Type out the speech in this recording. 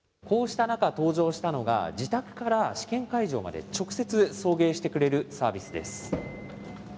こうした中、登場したのが、自宅から試験会場まで直接送迎してくれるサービスです。